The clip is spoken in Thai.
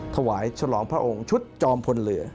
ฉลองพระองค์ชุดจอมพลเรือ